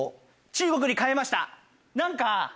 中国に変えました。